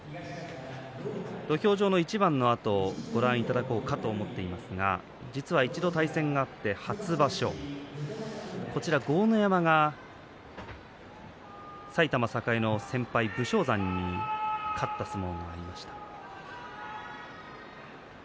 土俵上の一番のあとご覧いただこうと思っていますが一度対戦があって初場所豪ノ山が埼玉栄の先輩武将山に勝った相撲がありました。